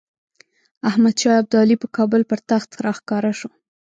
احمدشاه ابدالي په کابل پر تخت راښکاره شو.